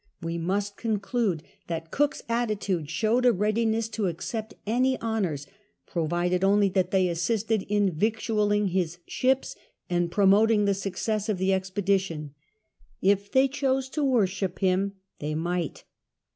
We must con clude that Cook's attitude showed a readiness to accept any honours, provided only that they assisted in victual ling his ships and promoting the success of the expedition. If they chose to worship him, they might.